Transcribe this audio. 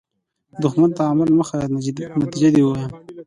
دښمن ته عمل مه ښیه، نتیجه دې ووایه